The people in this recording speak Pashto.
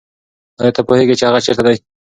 آیا ته پوهېږې چې هغه چېرته دی؟